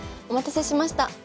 お待たせしました。